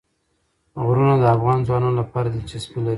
غرونه د افغان ځوانانو لپاره دلچسپي لري.